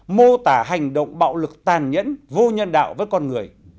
mô tả hành động bạo lực tàn nhẫn vô nhân đạo với con người